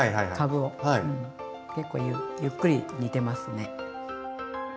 結構ゆっくり煮てますね。